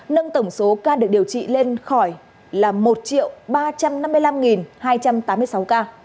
nâng tổng số ca được điều trị lên khỏi là một ba trăm năm mươi năm hai trăm tám mươi sáu ca